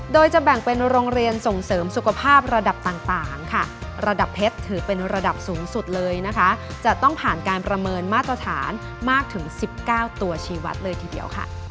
โดยจะแบ่งเป็นโรงเรียนส่งเสริมสุขภาพระดับต่างค่ะระดับเพชรถือเป็นระดับสูงสุดเลยนะคะจะต้องผ่านการประเมินมาตรฐานมากถึง๑๙ตัวชีวัตรเลยทีเดียวค่ะ